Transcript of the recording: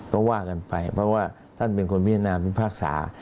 ก็ว่ากันไปเพราะว่าท่านเป็นคนพิจารณาพิพากษา